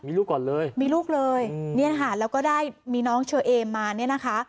มีลูกก่อนเลยมีลูกเลยเนี่ยนะคะแล้วก็ได้มีน้องเชอเอมมาเนี่ยนะคะ